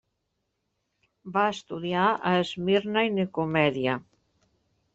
Va estudiar a Esmirna i Nicomèdia.